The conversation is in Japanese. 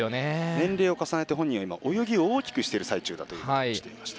年齢を重ねて泳ぎを大きくしている最中と話していました。